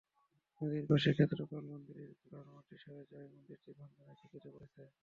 নদীর পাশের ক্ষেত্রপাল মন্দিরের গোড়ার মাটি সরে যাওয়ায় মন্দিরটিও ভাঙনের ঝুঁকিতে পড়েছে।